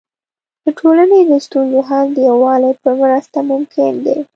د ټولنې د ستونزو حل د یووالي په مرسته ممکن دی.